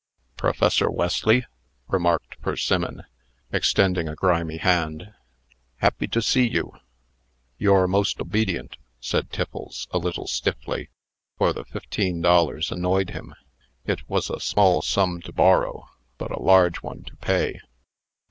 "Professor Wesley?" remarked Persimmon, extending a grimy hand. "Happy to see you." "Your most obedient," said Tiffles, a little stiffly, for the fifteen dollars annoyed him. It was a small sum to borrow, but a large one to pay.